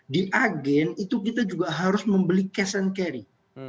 di agen itu kita juga harus membeli cash and carry